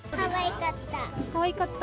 かわいかった？